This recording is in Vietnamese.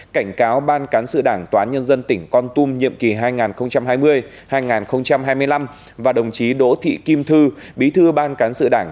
cảnh cáo ban cán sự đảng tòa án nhân dân tỉnh con tum nhiệm kỳ hai nghìn hai mươi hai nghìn hai mươi năm và đồng chí đỗ thị kim thư bí thư ban cán sự đảng